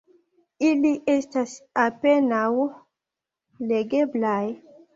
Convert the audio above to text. Ili estas apenaŭ legeblaj.